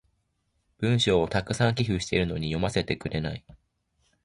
文章を沢山寄付してるのに読ませてくれない。